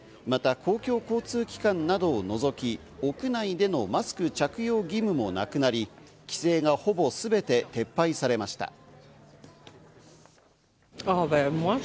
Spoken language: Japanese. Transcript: また、公共交通機関などを除き、屋内でのマスク着用義務もなくなり、規制がほぼすべて撤廃されました。